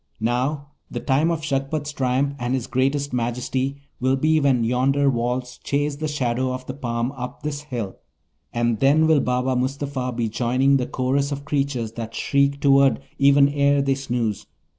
Now, the time of Shagpat's triumph, and his greatest majesty, will be when yonder walls chase the shadow of the palm up this hill; and then will Baba Mustapha be joining the chorus of creatures that shriek toward even ere they snooze.